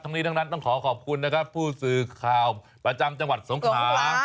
นี้ทั้งนั้นต้องขอขอบคุณนะครับผู้สื่อข่าวประจำจังหวัดสงขา